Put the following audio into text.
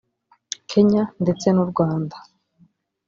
Kenya ndetse n’u Rwanda